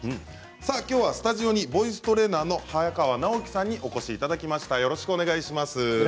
きょうはスタジオにボイストレーナーの早川直記さんにお越しいただきました。